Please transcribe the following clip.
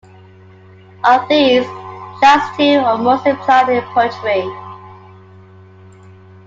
Of these, the last two are mostly applied in poetry.